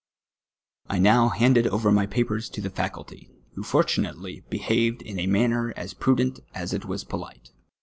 I now handed over my pajiers to the faculty, who fortimately behaved in a manner as prudent as it was polite.